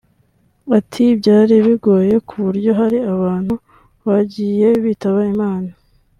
Ati “Byari bigoye ku buryo hari abantu bagiye bitaba Imana